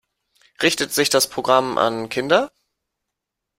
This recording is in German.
Richtet sich das Programm an Kinder?